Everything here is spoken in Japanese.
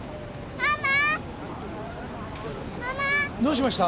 どうしました？